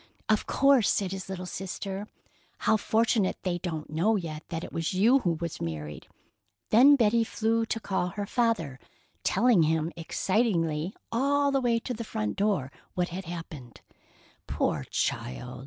"Of course," said his little sister. "How fortunate they don't know yet that it was you who was married." Then Betty flew to call her father, telling him excitedly all the way to the front door what had happened. "Poor child!